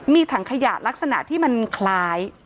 มีถังขยะลักษณะที่มันคล้าย